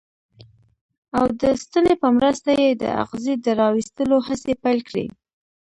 او د ستنې په مرسته یې د اغزي د را ویستلو هڅې پیل کړې.